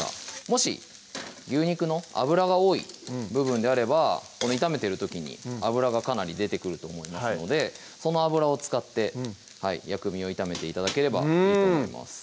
もし牛肉の脂が多い部分であれば炒めてる時に脂がかなり出てくると思いますのでその脂を使って薬味を炒めて頂ければいいと思います